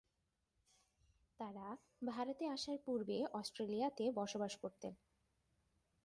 তারা ভারতে আসার পূর্বে অস্ট্রেলিয়াতে বসবাস করতেন।